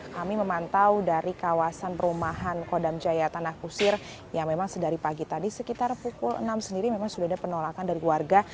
kami memantau dari kawasan perumahan kodam jaya tanah kusir yang memang sedari pagi tadi sekitar pukul enam sendiri memang sudah ada penolakan dari warga